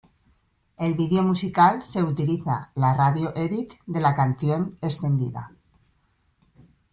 El video musical se utiliza la radio edit de la canción extendida.